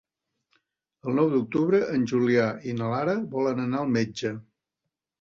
El nou d'octubre en Julià i na Lara volen anar al metge.